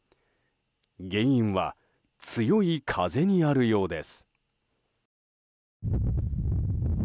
原因は強い風にあるようです。